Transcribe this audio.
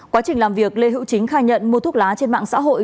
quá trình làm việc lê hữu chính khai nhận mua thuốc lá trên mạng xã hội